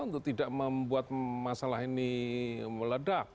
untuk tidak membuat masalah ini meledak